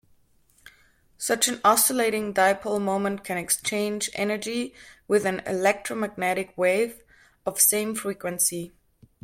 Such an oscillating dipole moment can exchange energy with an electromagnetic wave of same frequency.